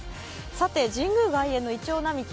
さて神宮外苑のいちょう並木